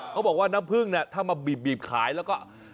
เขาบอกว่าน้ำพึ่งเนี่ยถ้ามาบีบขายแล้วก็